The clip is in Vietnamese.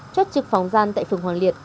chốt trực phòng gian tại phường hoàng liệt